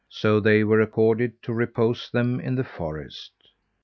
So they were accorded to repose them in the forest.